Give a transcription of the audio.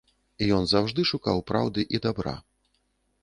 Ён заўжды шукаў праўды і дабра.